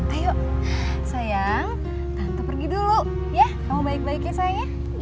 ayo sayang tante pergi dulu ya kamu baik baik ya sayang ya